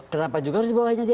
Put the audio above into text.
kenapa juga harus dibawanya dia